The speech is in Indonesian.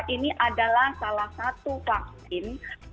ini adalah salah satu vaksin